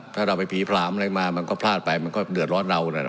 ถ้าเราไปผีผลามอะไรมามันก็พลาดไปมันก็เดือดร้อนเรานะ